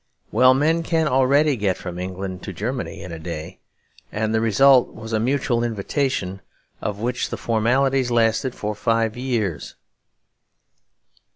Well, men can already get from England to Germany in a day; and the result was a mutual invitation of which the formalities lasted for five years.